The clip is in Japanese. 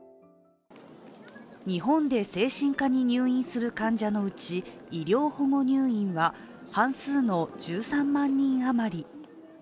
日本で精神科に入院する患者のうち医療保護入院は、半数の１３万人あまり。